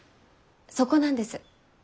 そこなんです。